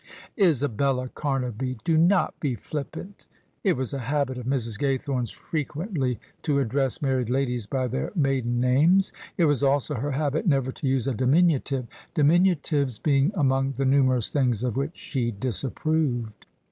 " Isabella Camaby, do not be flippant." It was a habit of Mrs. Gaythome's frequently to address married ladies by their maiden names. It was also her habit never to use a diminutive : diminutives being among the numerous things of which she disapproved.